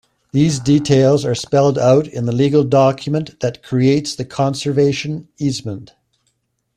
These details are spelled out in the legal document that creates the conservation easement.